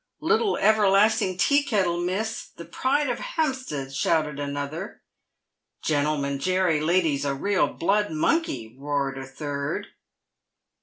"Little Everlasting Teakettle, miss, the pride of Hampstead," shouted another. " Gentleman Jerry, ladies, a real blood donkey," roard a third.